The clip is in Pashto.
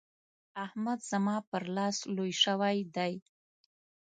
احمد زما پر لاس لوی شوی دی.